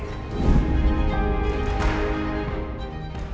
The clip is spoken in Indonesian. kamu sudah menawarkan mau jadi sahabat untuk saya